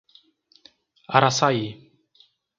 Araçaí